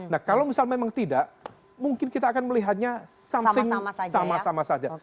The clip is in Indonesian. nah kalau misal memang tidak mungkin kita akan melihatnya something sama sama saja